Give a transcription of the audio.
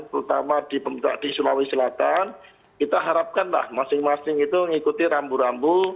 terutama di sulawesi selatan kita harapkan lah masing masing itu mengikuti rambu rambu